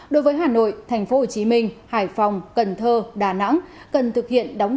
đối với hà nội tp hcm hải phòng cần thơ đà nẵng